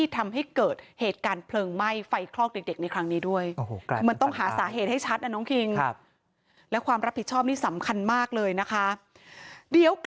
แต่เดี๋ยวพรุ่งนี้